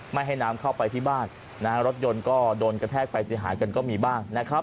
ไม่ให้น้ำเข้าไปที่บ้านรถยนต์ก็โดนกะแทกไปที่หายกันก็มีบ้าง